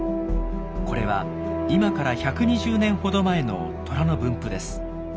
これは今から１２０年ほど前のトラの分布です。